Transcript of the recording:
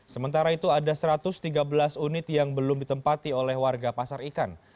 sementara itu ada satu ratus tiga belas unit yang belum ditempati oleh warga pasar ikan